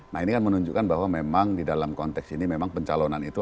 nah ini kan menunjukkan bahwa memang di dalam konteks ini memang pencalonan itu